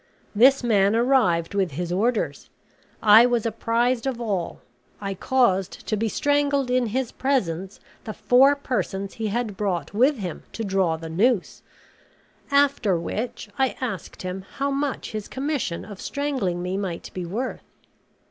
This man arrived with his orders: I was apprised of all; I caused to be strangled in his presence the four persons he had brought with him to draw the noose; after which I asked him how much his commission of strangling me might be worth.